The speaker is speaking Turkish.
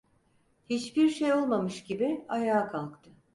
Hiçbir şey olmamış gibi, ayağa kalktı.